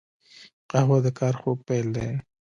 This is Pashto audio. قهوه د کار خوږ پیل دی